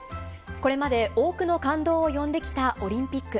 これまで多くの感動を呼んできたオリンピック。